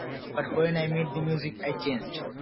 But when I met the music, I changed.